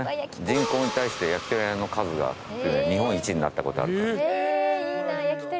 人口に対して焼き鳥屋の数が日本一になったことあるから。